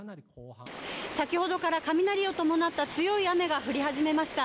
先ほどから雷を伴った強い雨が降り始めました。